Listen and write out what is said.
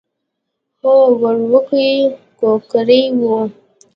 هو وړوکی کوکری و.